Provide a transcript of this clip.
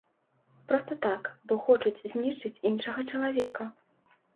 Проста так, бо хочуць знішчыць іншага чалавека.